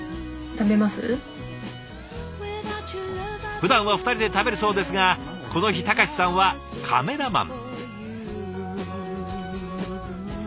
ふだんは２人で食べるそうですがこの日隆志さんはカメラマン。